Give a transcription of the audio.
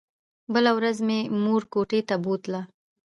بله ورځ مې مور کوټې ته بوتله.